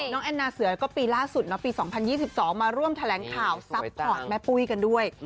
แอนนาเสือก็ปีล่าสุดปี๒๐๒๒มาร่วมแถลงข่าวซัพพอร์ตแม่ปุ้ยกันด้วย